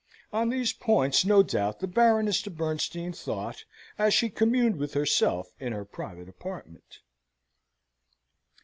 On these points no doubt the Baroness de Bernstein thought, as she communed with herself in her private apartment.